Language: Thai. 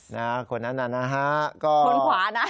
ข้านั้นนะครับ